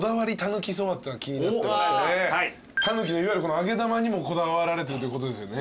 たぬきのいわゆる揚げ玉にもこだわられてるってことですよね。